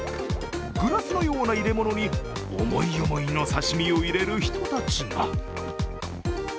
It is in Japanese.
グラスのような入れ物に思い思いの刺身を入れる人たちが。